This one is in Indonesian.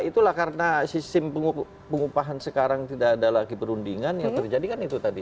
itulah karena sistem pengupahan sekarang tidak ada lagi perundingan yang terjadi kan itu tadi